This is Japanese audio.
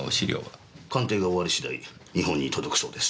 鑑定が終わり次第日本に届くそうです。